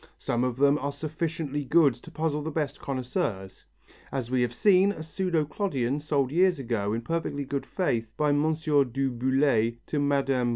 Some of them are sufficiently good to puzzle the best connoisseurs. As we have seen, a pseudo Clodion sold years ago in perfect good faith by M. Du Boullay to Mme.